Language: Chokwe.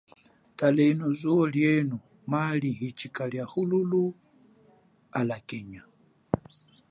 Talenu zuwo lienu maali hichika liahululu, alakenye.